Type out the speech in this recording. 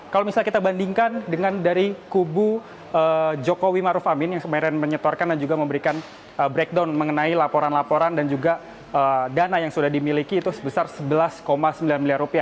kalau misalnya kita bandingkan dengan dari kubu jokowi maruf amin yang kemarin menyetorkan dan juga memberikan breakdown mengenai laporan laporan dan juga dana yang sudah dimiliki itu sebesar rp sebelas sembilan miliar rupiah